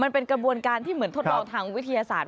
มันเป็นกระบวนการที่เหมือนทดลองทางวิทยาศาสตร์